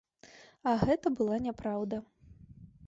А гэта была няпраўда.